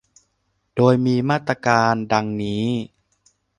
โดยมีมาตรการดังนี้